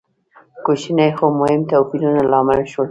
کوچني خو مهم توپیرونه لامل شول.